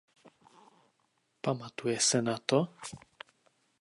Pamatuje se na to?